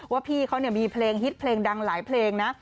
ว่าพี่เขามีเพลงฮิตเพลงดังหลายเพลงนะ